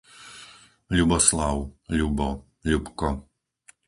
Ľuboslav, Ľubo, Ľubko